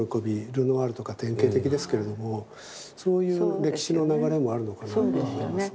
ルノアールとか典型的ですけれどもそういう歴史の流れもあるのかなって思いますね。